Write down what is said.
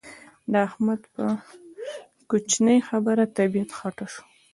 د احمد په کوشنۍ خبره طبيعت خټه شو.